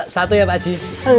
satu ya pak ji